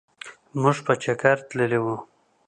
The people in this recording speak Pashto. مونږ په چکرتللي وو.